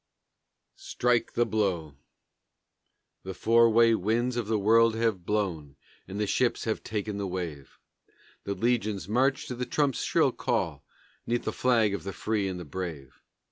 STRIKE THE BLOW The four way winds of the world have blown, And the ships have ta'en the wave; The legions march to the trumps' shrill call 'Neath the flag of the free and brave.